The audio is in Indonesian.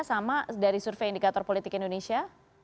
sama dari survei indikator politik indonesia